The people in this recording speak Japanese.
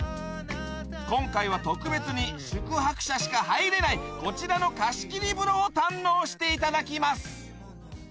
今回は特別に宿泊者しか入れないこちらの貸し切り風呂を堪能していただきます